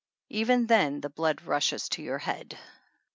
Even then the blood rushes to your head.